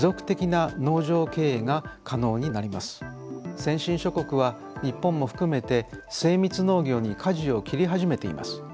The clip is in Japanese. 先進諸国は日本も含めて精密農業にかじを切り始めています。